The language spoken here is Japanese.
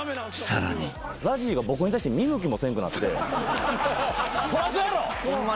［さらに］ＺＡＺＹが僕に対して見向きもせんくなって。そらそうやろ！